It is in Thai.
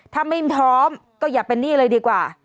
ถ้าไม่พร้อมก็อย่าเป็นหนี้เลยดีกว่า